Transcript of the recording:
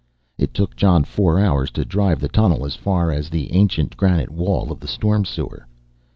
It took Jon four hours to drive the tunnel as far as the ancient granite wall of the storm sewer.